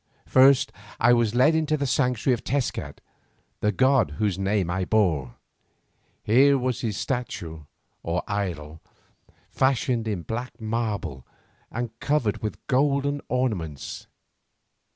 First I was led into the sanctuary of Tezcat, the god whose name I bore. Here was his statue or idol, fashioned in black marble and covered with golden ornaments.